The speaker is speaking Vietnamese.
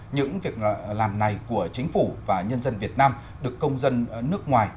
những việc làm này của chính phủ và nhân dân việt nam được công dân nước ngoài